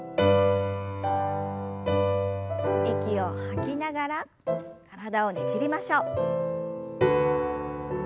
息を吐きながら体をねじりましょう。